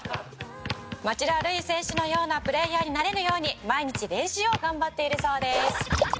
「町田瑠唯選手のようなプレーヤーになれるように毎日練習を頑張っているそうです」